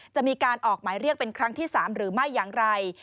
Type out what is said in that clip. จะมีการออกหมายเรียกเป็นครั้งที่๓หรือไม่อย่างไร